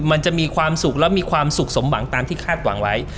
มันจะมีความสุขและมีความสุขสมหวังตามที่คาดหวังไว้